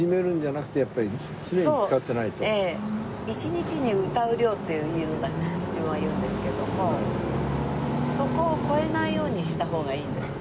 １日に歌う量って自分は言うんですけどもそこを超えないようにした方がいいんです。